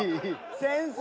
先生